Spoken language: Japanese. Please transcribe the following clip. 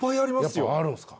やっぱあるんすか？